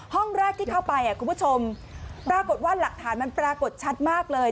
ห้องแรกที่เข้าไปคุณผู้ชมปรากฏว่าหลักฐานมันปรากฏชัดมากเลย